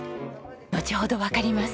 のちほどわかります。